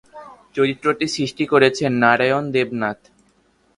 চরিত্রটি সৃষ্টি করেছেন নারায়ণ দেবনাথ।